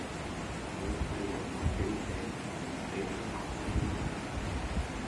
滿曬人喇小姐，你等下班啦